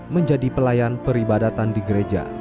menjadi pelayan peribadatan di gereja